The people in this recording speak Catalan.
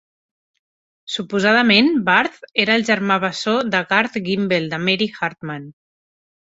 Suposadament, Barth era el germà bessó de Garth Gimble de "Mary Hartman".